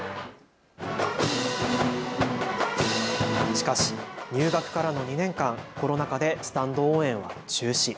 しかし入学からの２年間、コロナ禍でスタンド応援は中止。